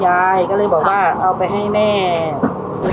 ยายก็เลยบอกว่าเอาไปให้แม่